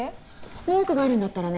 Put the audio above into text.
文句があるんだったらね